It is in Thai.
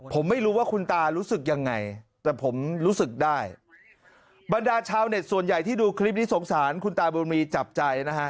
ผมไม่รู้ว่าคุณตารู้สึกยังไงแต่ผมรู้สึกได้บรรดาชาวเน็ตส่วนใหญ่ที่ดูคลิปนี้สงสารคุณตาบุญมีจับใจนะฮะ